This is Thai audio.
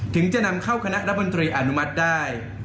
ถึงจะนำเข้าคณะรับบนตรีอนุมัติได้